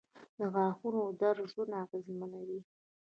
• د غاښونو درد ژوند اغېزمنوي.